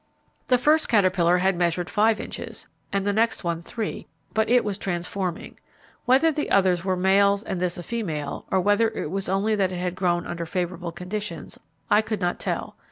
The first caterpillar had measured five inches, and the next one three, but it was transforming. Whether the others were males and this a female, or whether it was only that it had grown under favourable conditions, I could not tell.